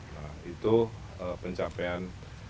nah itu pencapaian